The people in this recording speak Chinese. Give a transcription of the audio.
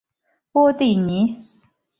波蒂尼。